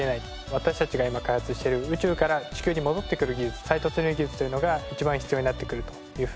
私たちが今開発している宇宙から地球に戻って来る技術再突入技術というのが一番必要になってくるというふうに考えてます。